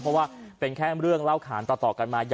เพราะว่าเป็นแค่เรื่องเล่าขานต่อกันมา